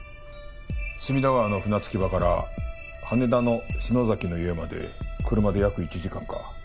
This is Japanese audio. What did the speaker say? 隅田川の船着場から羽田の篠崎の家まで車で約１時間か。